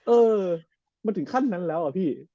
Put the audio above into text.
เออมันถึงขั้นนั้นแล้วอะพี่